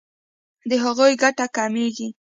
د هغوی ګټه کمیږي.